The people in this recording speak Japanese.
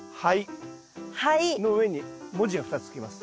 灰の上に文字が２つつきます。